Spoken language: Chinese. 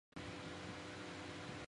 农氏春是来自高平省的侬族人。